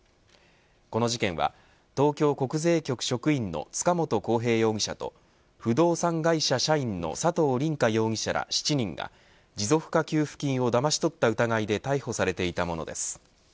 この事件は東京国税局職員の塚本晃平容疑者と不動産会社社員の佐藤凜果容疑者ら７人が、持続化給付金をだまし取った疑いで逮捕されていたものです。